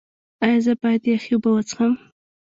ایا زه باید یخې اوبه وڅښم؟